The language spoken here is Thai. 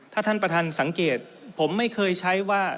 ถ้าท่านประธานสังเกตผมไม่เคยใช้ว่า